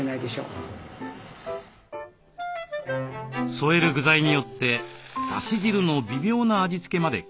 そえる具材によってだし汁の微妙な味付けまで変える。